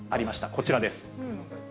こちらです。